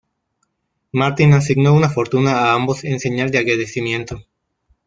Martyn asignó una fortuna a ambos en señal de agradecimiento.